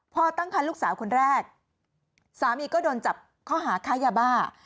พอตั้งคันลูกสาวคนแรกสามีก็โดนจับข้อหาค้ายาบ้า